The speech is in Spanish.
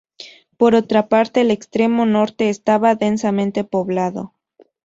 Por otra parte el extremo norte estaba densamente poblado.